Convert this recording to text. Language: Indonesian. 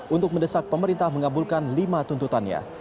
untuk mendesak pemerintah mengabulkan lima tuntutannya